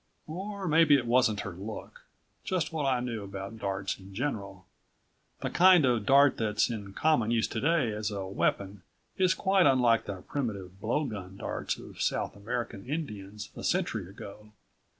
Or maybe it wasn't her look, just what I knew about darts in general. The kind of dart that's in common use today as a weapon is quite unlike the primitive blowgun darts of South American Indians a century ago.